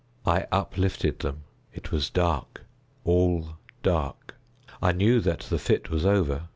I uplifted them. It was dark—all dark. I knew that the fit was over.